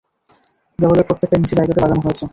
দেওয়ালের প্রত্যেকটা ইঞ্চি জায়গাতে লাগানো হয়েছে।